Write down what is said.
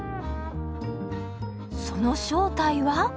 その正体は？